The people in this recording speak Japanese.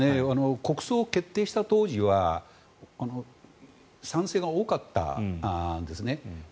国葬を決定した当時は賛成が多かったんですね。